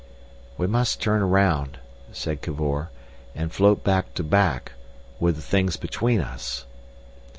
"We must turn round," said Cavor, "and float back to back, with the things between us."